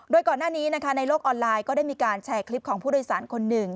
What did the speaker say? โดยก่อนหน้านี้ในโลกออนไลน์ก็ได้มีการแชร์คลิปของผู้โดยสารคนหนึ่ง